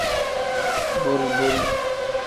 Bori-bori.